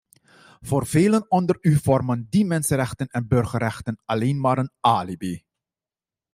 Voor velen onder u vormen die mensenrechten en burgerrechten alleen maar een alibi.